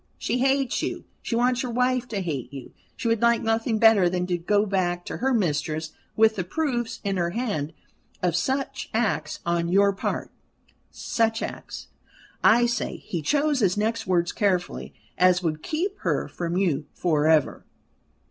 She hates you; she wants your wife to hate you. She would like nothing better than to go back to her mistress with the proofs in her hand of such acts on your part such acts, I say," he chose his next words carefully, "as would keep her from you for ever."